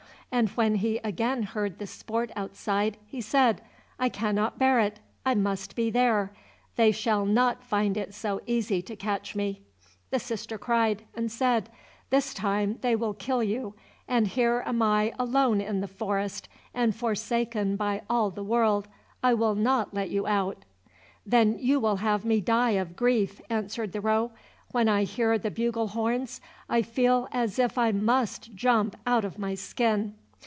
And when he again heard the sport outside, he said, "I cannot bear it, I must be there; they shall not find it so easy to catch me." The sister cried, and said, "This time they will kill you, and here am I alone in the forest and forsaken by all the world. I will not let you out." "Then you will have me die of grief," answered the roe; "when I hear the bugle horns I feel as if I must jump out of my skin."